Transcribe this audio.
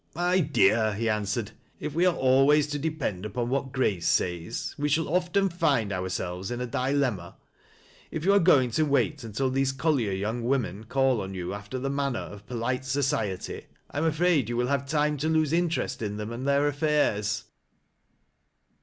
" My dear," he answered, ■' if we are always to dei)end N.^on what Grace says, we shall often find ourselves in s (dilemma. If yon are going to wait until these colliei poung women call on you after the manner tf pd'^tj THE REVEREND HAROLD BAEHOLM. 38 societj, I am afraid you will have time to lose interest Id tlism and their affairs."